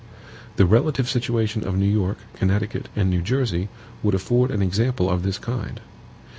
The relative situation of New York, Connecticut, and New Jersey would afford an example of this kind.